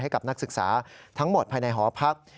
ให้กับนักศึกษาทั้งหมดภายในหอพัก